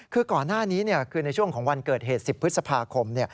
คือก่อนหน้านี้คือในช่วงของวันเกิดเหตุ๑๐พฤษภาคม